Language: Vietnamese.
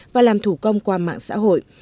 và làm thủ công qua mạng xã hội